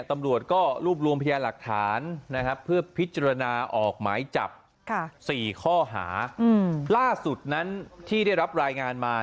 ตำรวจก็รูปรวมอิทยาห์หลักฐาน